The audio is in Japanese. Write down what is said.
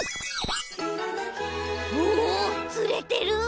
おおつれてる！